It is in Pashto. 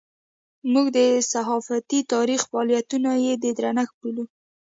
موږ د صحافتي تاریخ فعالیتونه یې د درنښت بولو.